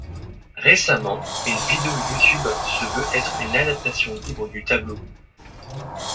Récemment, une vidéo Youtube se veut être une adaptation libre du tableau.